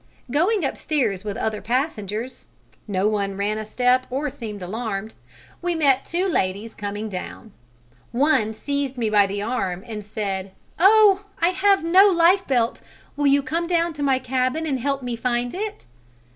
Going upstairs with other passengers, no one ran a step or seemed alarmed, we met two ladies coming down: one seized me by the arm and said, "Oh! I have no lifebelt; will you come down to my cabin and help me to find it?"